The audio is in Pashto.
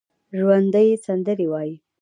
ژوندي سندرې وايي